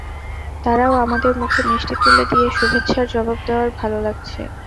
তারাও আমাদের মুখে মিষ্টি তুলে দিয়ে শুভেচ্ছার জবাব দেওয়ায় ভালো লাগছে।